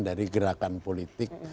dari gerakan politik